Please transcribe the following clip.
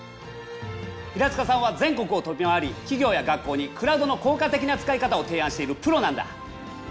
平塚さんは全国を飛び回り企業や学校にクラウドの効果的な使い方を提案しているプロなんだ。